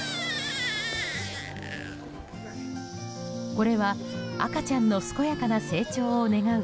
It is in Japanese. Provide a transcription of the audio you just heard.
これは赤ちゃんの健やかな成長を願う